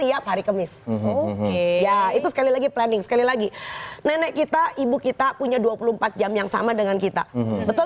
tiap hari kemis oke ya itu sekali lagi planning sekali lagi nenek kita ibu kita punya dua puluh empat jam yang sama dengan kita betul